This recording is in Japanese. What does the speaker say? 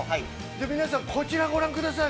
皆さんこちらご覧ください。